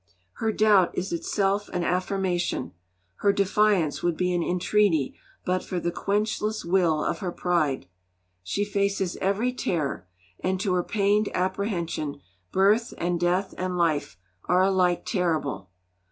Her doubt is itself an affirmation, her defiance would be an entreaty but for the 'quenchless will' of her pride. She faces every terror, and to her pained apprehension birth and death and life are alike terrible.